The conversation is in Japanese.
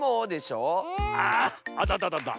あっあたたたた。